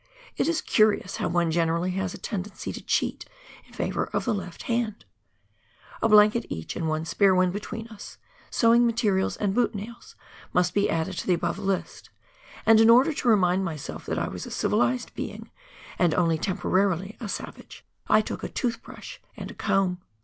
It is curious how one generally has a tendency to cheat in favour of the left hand ! A blanket each, and one spare one between us, sewing materials and boot nails must be added to the above list, and in order to remind myself that I was a civilised being, and only temporarily a savage, I took a tooth brush and a comb.